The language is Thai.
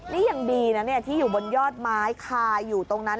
นี่ยังดีนะที่อยู่บนยอดไม้คาอยู่ตรงนั้น